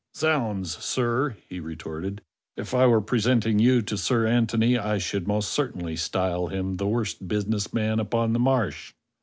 *' Zounds, sir!" he retorted, "if I were presenting you to Sir Antony I should most certainly style him the worst business man upon the Marsh."